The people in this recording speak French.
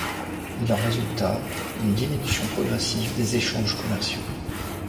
Il en résulta une diminution progressive des échanges commerciaux.